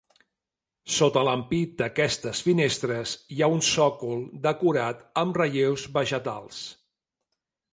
Sota l'ampit d'aquestes finestres hi ha un sòcol decorat amb relleus vegetals.